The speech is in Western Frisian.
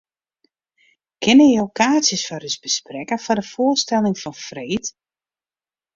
Kinne jo kaartsjes foar ús besprekke foar de foarstelling fan freed?